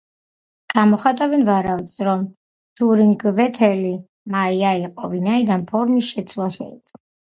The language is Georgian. გამოხატავენ ვარაუდს, რომ თურინგვეთილი მაია იყო, ვინაიდან ფორმის შეცვლა შეეძლო.